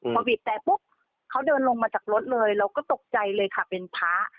พอบีบแต่ปุ๊บเขาเดินลงมาจากรถเลยเราก็ตกใจเลยค่ะเป็นพระ